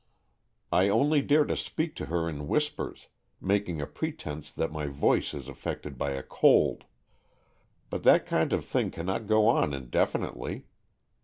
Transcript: I only dare to speak to her in whispers, making a pretence that my voice is affected by a cold. But that kind of thing cannot go on indefinitely.